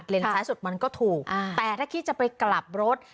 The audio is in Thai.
ซ้ายสุดมันก็ถูกแต่ถ้าคิดจะไปกลับรถ